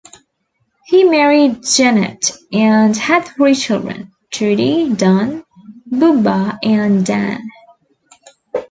He married Jeannette and had three children: Trudy, Don "Bubba", and Dan.